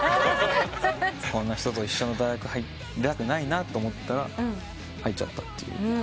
こんな人と一緒の大学入りたくないなと思ったら入っちゃったっていう。